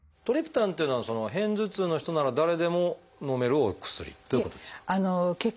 トリプタンっていうのは片頭痛の人なら誰でものめるお薬っていうことですか？